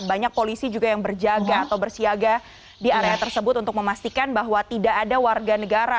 banyak polisi juga yang berjaga atau bersiaga di area tersebut untuk memastikan bahwa tidak ada warga negara